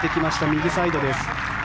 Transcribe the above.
右サイドです。